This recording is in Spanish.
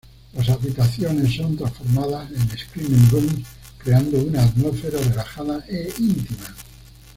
Las habitaciones son transformadas en "screening rooms", creando una atmósfera relajada e íntima.